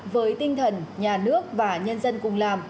với tinh thần nhà nước và nhân dân cùng làm